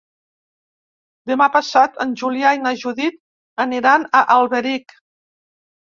Demà passat en Julià i na Judit aniran a Alberic.